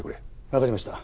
わかりました。